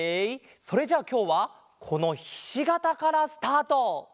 それじゃあきょうはこのひしがたからスタート！